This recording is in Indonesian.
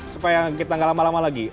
supaya kita gak lama lama lagi